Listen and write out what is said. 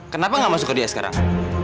kenapa gak masuk ke dia sekarang